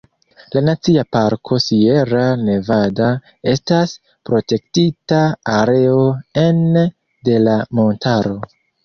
La Nacia Parko Sierra Nevada estas protektita areo ene de la montaro.